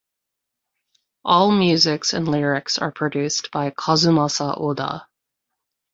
All musics and lyrics are produced by Kazumasa Oda.